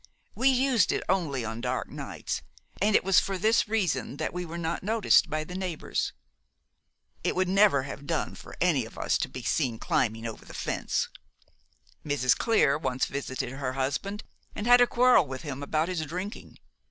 We used it only on dark nights, and it was for this reason that we were not noticed by the neighbours. It would never have done for any one of us to be seen climbing over the fence. Mrs. Clear once visited her husband, and had a quarrel with him about his drinking.